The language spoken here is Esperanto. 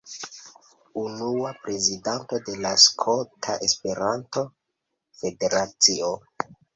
Unua prezidanto de la Skota Esperanto-Federacio.